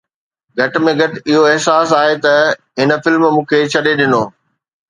گهٽ ۾ گهٽ اهو احساس آهي ته هن فلم مون کي ڇڏي ڏنو